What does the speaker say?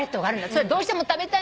それどうしても食べたいんだ。